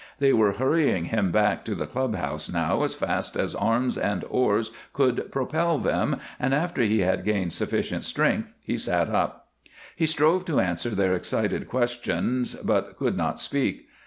They were hurrying him back to the club house now as fast as arms and oars could propel them, and after he had gained sufficient strength he sat up. He strove to answer their excited questions, but could not speak.